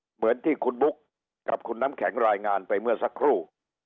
เหมือนที่คุณบุ๊คกับคุณน้ำแข็งรายงานไปเมื่อสักครู่